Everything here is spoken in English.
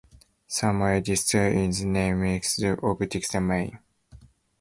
Samuel Dexter is the namesake of Dexter, Maine.